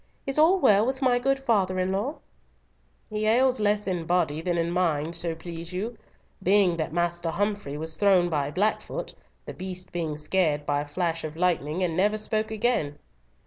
"Is all well with my good father in law?" "He ails less in body than in mind, so please you. Being that Master Humfrey was thrown by Blackfoot, the beast being scared by a flash of lightning, and never spoke again."